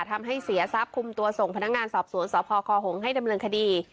ทำให้เสียทรัพย์คุมตัวส่งพนักงานสอบสวนสพคหงษ์ให้ดำเนินคดี